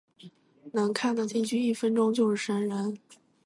能看的进去一分钟就是神人